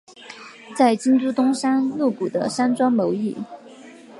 在京都东山鹿谷的山庄谋议。